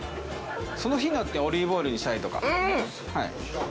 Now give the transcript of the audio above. その日によってオリーブオイルにしたりとか。